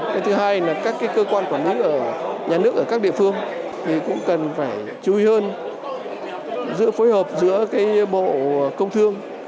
cái thứ hai là các cơ quan quản lý ở nhà nước ở các địa phương thì cũng cần phải chú ý hơn giữa phối hợp giữa cái bộ công thương